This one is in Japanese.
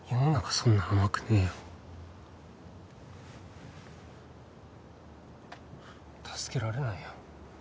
そんな甘くねえよ助けられないよ